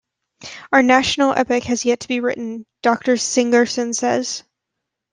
Our national epic has yet to be written, Doctor Sigerson says.